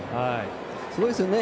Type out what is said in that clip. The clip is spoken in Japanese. すごいですよね。